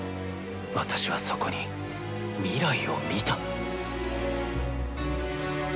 私はそこに未来を見た。